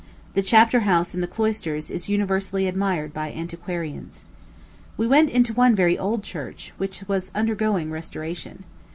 The chapter house in the cloisters is universally admired by antiquarians. We went into one very old church, which was undergoing restoration.